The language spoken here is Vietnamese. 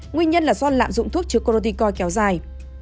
nguyên nhân là do lạm dụng thuốc chữa corticoid kéo dài